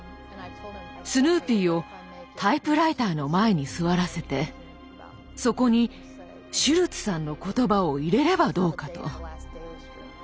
スヌーピーをタイプライターの前に座らせてそこにシュルツさんの言葉を入れればどうかと。